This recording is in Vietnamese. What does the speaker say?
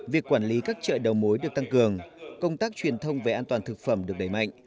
việc quản lý các chợ đầu mối được tăng cường công tác truyền thông về an toàn thực phẩm được đẩy mạnh